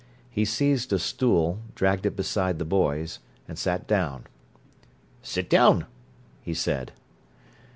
He seized a stool, dragged it beside the boy's, and sat down. "Sit down," he said.